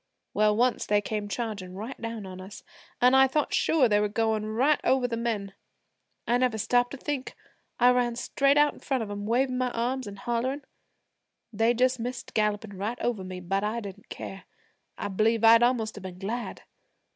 Well, once they came chargin' right down on us, an' I thought sure they were goin' right over the men. I never stopped to think: I ran straight out in front of 'em wavin' my arms an' hollerin'. They just missed gallopin' right over me. But I didn't care; I b'lieve I'd almost have been glad.